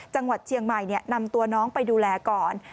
จังหวัดเชียงใหม่นำตัวน้องไปดูแลก่อน